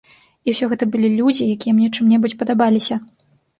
І ўсё гэта былі людзі, якія мне чым-небудзь падабаліся.